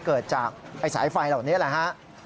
เกิดจากสายไฟเหล่านี้แหละฮะ